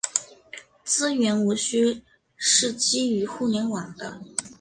资源无需是基于互联网的。